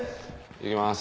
行きます。